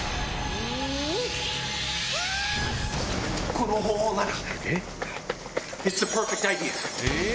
この方法なら！